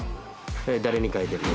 誰に書いてるの？